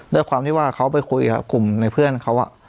ด้วยความที่ว่าเขาไปคุยกับกลุ่มในเพื่อนเขา